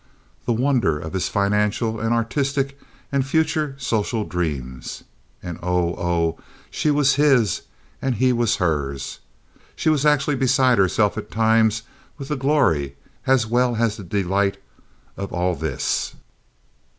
The wonder of his financial and artistic and future social dreams. And, oh, oh, she was his, and he was hers. She was actually beside herself at times with the glory, as well as the delight of all this.